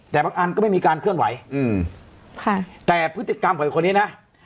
แต่บางอันก็ไม่มีการเคลื่อนไหวอืมค่ะแต่พฤติกรรมของคนนี้นะ